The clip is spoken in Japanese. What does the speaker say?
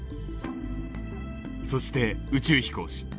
そして宇宙飛行士。